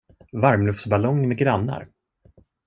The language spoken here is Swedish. Varmluftsballong med grannar.